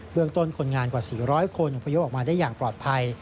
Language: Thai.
เมืองต้นคนงานกว่า๔๐๐คนอพยพออกมาได้อย่างปลอดภัย